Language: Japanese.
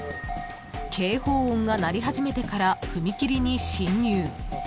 ［警報音が鳴り始めてから踏切に進入］